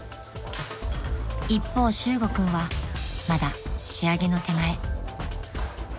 ［一方修悟君はまだ仕上げの手前］